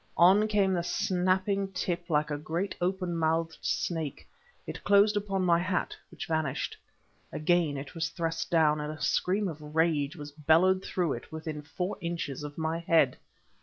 On came the snapping tip like a great open mouthed snake; it closed upon my hat, which vanished. Again it was thrust down, and a scream of rage was bellowed through it within four inches of my head.